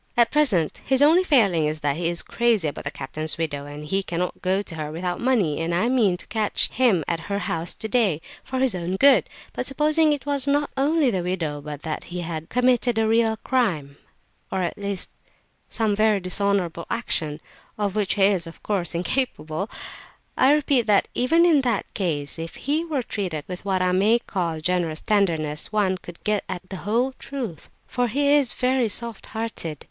At present his only failing is that he is crazy about that captain's widow, and he cannot go to her without money, and I mean to catch him at her house today—for his own good; but supposing it was not only the widow, but that he had committed a real crime, or at least some very dishonourable action (of which he is, of course, incapable), I repeat that even in that case, if he were treated with what I may call generous tenderness, one could get at the whole truth, for he is very soft hearted!